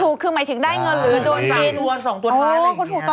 ถูกคือหมายถึงได้เงินหรือจน๓ตัว๒ตัวท้ายอะไรอย่างนี้ค่ะ